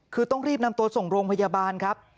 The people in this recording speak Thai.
คือต้องรีบนำตัวส่งโรงพยาบาลครับ